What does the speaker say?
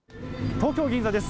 東京・銀座です。